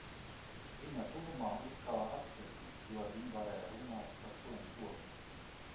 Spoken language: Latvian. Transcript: Viņa tuvumā it kā atspirgu, jo ar viņu varēju runāt par šo un to.